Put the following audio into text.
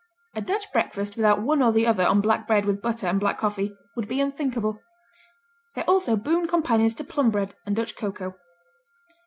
A Dutch breakfast without one or the other on black bread with butter and black coffee would be unthinkable. They're also boon companions to plum bread and Dutch cocoa.